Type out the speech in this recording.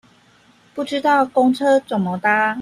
不知道公車怎麼搭